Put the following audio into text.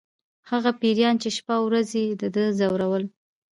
هغه پیریان چې شپه او ورځ یې د ده ځورول